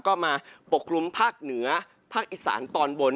ก็มาปกคลุมภาคเหนือภาคอีสานตอนบน